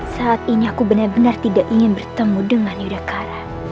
saat ini aku benar benar tidak ingin bertemu dengan yuda kara